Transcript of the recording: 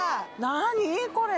何これ？